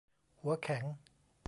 หัวแข็ง